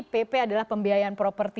pp adalah pembiayaan properti